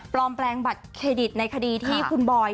ปลอมแพลงบัตรเครดิตในคดีคุณบอย